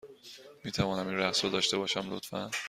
می توانم این رقص را داشته باشم، لطفا؟